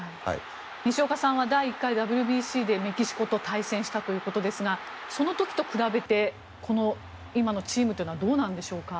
西岡さんは第１回ＷＢＣでメキシコと対戦したということですがその時と比べて、今のチームはどうなんでしょうか。